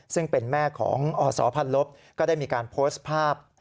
ซึ่งเป็นแม่ของอศพันลบก็ได้มีการโพสต์ภาพ